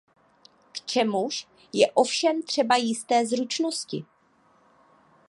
K čemuž je ovšem třeba jisté zručnosti.